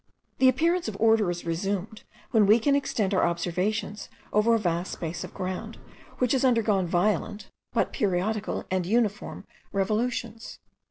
The appearance of order is resumed, when we can extend our observations over a vast space of ground, which has undergone violent, but periodical and uniform revolutions.